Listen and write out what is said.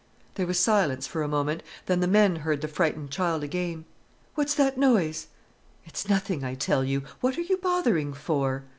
There was silence for a moment, then the men heard the frightened child again: "What's that noise?" "It's nothing, I tell you, what are you bothering for?"